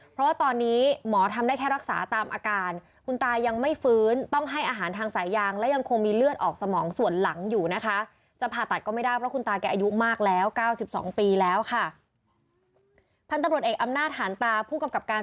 เพราะว่าตอนนี้หมอทำได้แค่รักษาตามอาการ